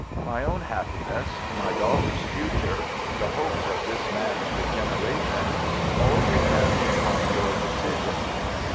My own happiness, my daughter's future, the hopes of this man's regeneration, all depend upon your decision."